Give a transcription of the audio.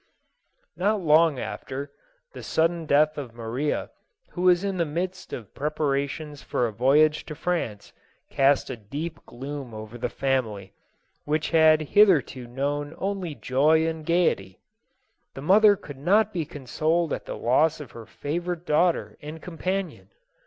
Not long after, the sudden death of Maria, who was in the midst of preparations for a voyage to France, cast a deep gloom over the family, which had hitherto known only joy and gaiety. The mother could not be consoled at the loss of her favorite daughter and com panion.